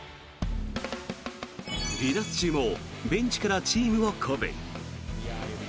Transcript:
離脱中もベンチからチームを鼓舞。